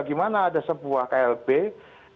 gimana ada sebuah klbw